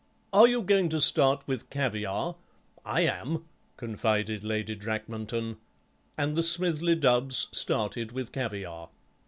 "Are you going to start with caviare? I am," confided Lady Drakmanton, and the Smithly Dubbs started with caviare.